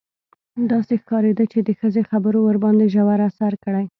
داسې ښکارېده چې د ښځې خبرو ورباندې ژور اثر کړی.